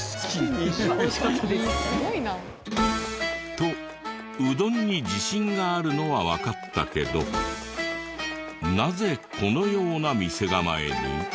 とうどんに自信があるのはわかったけどなぜこのような店構えに？